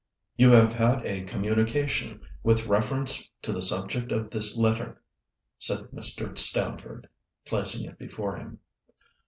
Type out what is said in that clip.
"You have had a communication with reference to the subject of this letter," said Mr. Stamford, placing it before him.